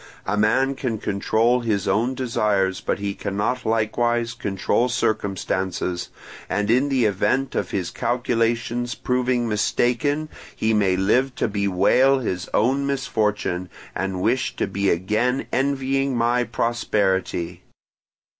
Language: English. A man can control his own desires, but he cannot likewise control circumstances; and in the event of his calculations proving mistaken, he may live to bewail his own misfortune, and wish to be again envying my prosperity.